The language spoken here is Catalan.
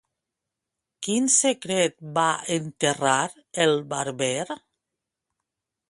Quin secret va enterrar el barber?